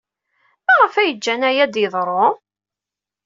Maɣef ay ǧǧan aya ad d-yeḍru?